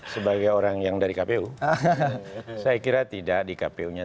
sebagai orang yang dari kpu saya kira tidak di kpu nya